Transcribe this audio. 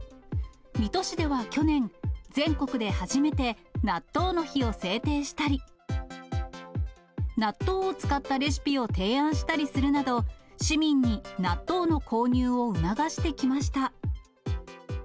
水戸市では去年、全国で初めて納豆の日を制定したり、納豆を使ったレシピを提案したりするなど、市民に納豆の購入を促してきました。